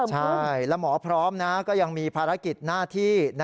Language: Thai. ใช่แล้วหมอพร้อมนะก็ยังมีภารกิจหน้าที่